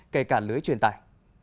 kể cả lưới truyền tài